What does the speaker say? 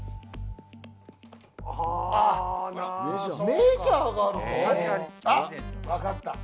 メジャーがあるぞ。